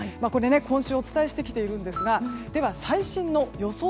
今週お伝えしてきているんですが最新の予想